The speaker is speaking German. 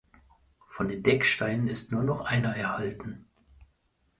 Von den Decksteinen ist nur noch einer erhalten.